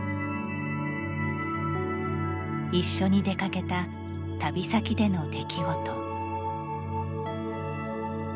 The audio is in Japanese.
一緒に出かけた旅先での出来事。